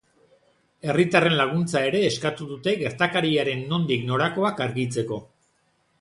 Herritarren laguntza ere eskatu dute gertakariaren nondik norakoak argitzeko.